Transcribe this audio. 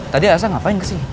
tadi asal ngapain ke sih